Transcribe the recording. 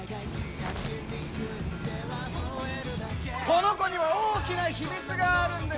この子には大きな秘密があるんです！